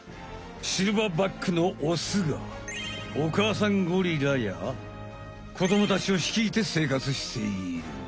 シルバーバックのオスがお母さんゴリラや子どもたちをひきいて生活している。